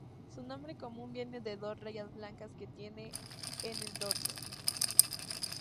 Su nombre común viene de las dos rayas blancas que tiene en el dorso.